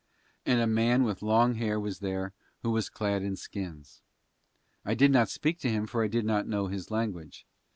And a man with long hair was there who was clad in skins. I did not speak to him for I did not know his language.